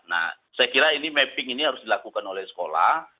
nah saya kira ini mapping ini harus dilakukan oleh sekolah